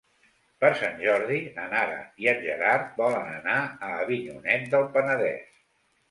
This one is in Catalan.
Per Sant Jordi na Nara i en Gerard volen anar a Avinyonet del Penedès.